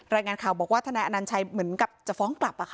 รายงานข่าวบอกว่าทนายอนัญชัยเหมือนกับจะฟ้องกลับ